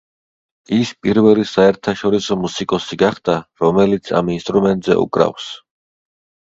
ის პირველი საერთაშორისო მუსიკოსი გახდა, რომელიც ამ ინსტრუმენტზე უკრავს.